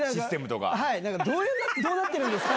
はいどうなってるんですか？